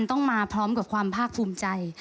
ต้องมาพร้อมกับความภาคภูมิใจ